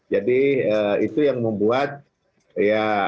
jadi itu yang membuat ya